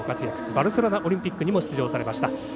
バルセロナオリンピックにも出場されました。